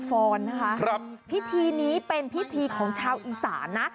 ฟอนนะคะพิธีนี้เป็นพิธีของชาวอีสานนะ